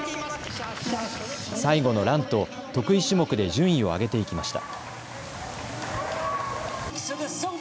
最後のランと、得意種目で順位を上げていきました。